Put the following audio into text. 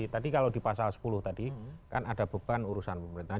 tadi kalau di pasal sepuluh tadi kan ada beban urusan pemerintahan